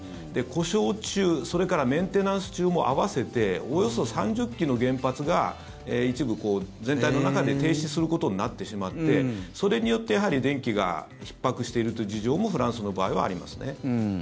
故障中、それからメンテナンス中も合わせておよそ３０基の原発が一部、全体の中で停止することになってしまってそれによってやはり、電気がひっ迫しているという事情もフランスの場合はありますね。